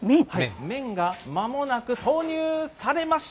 麺がまもなく投入されました。